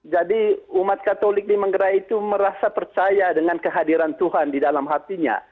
jadi umat katolik di menggerai itu merasa percaya dengan kehadiran tuhan di dalam hatinya